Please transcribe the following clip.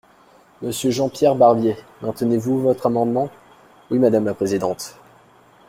Monsieur Jean-Pierre Barbier, maintenez-vous votre amendement ? Oui, madame la présidente.